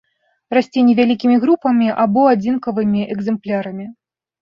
Расце невялікімі групамі або адзінкавымі экземплярамі.